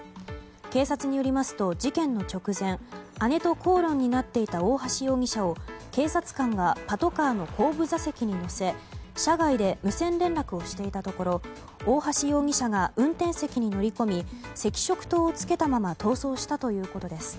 警察によりますと事件の直前姉と口論になっていたオオハシ容疑者を警察官がパトカーの後部座席に乗せ車外で無線連絡をしていたところオオハシ容疑者が運転席に乗り込み赤色灯をつけたまま逃走したということです。